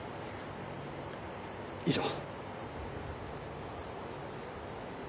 以上。